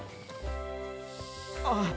あっ！